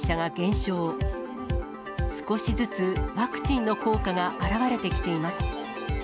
少しずつ、ワクチンの効果が表れてきています。